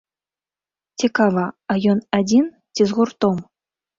Цікава, а ён адзін, ці з гуртом?